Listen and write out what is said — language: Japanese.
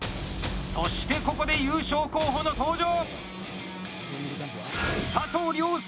そして、ここで優勝候補の登場！